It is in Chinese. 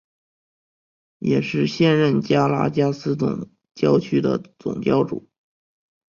也是现任加拉加斯总教区总主教。